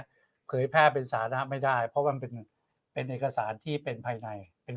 เผยแพร่เป็นสาธารณะไม่ได้เพราะมันเป็นเป็นเอกสารที่เป็นภายในเป็น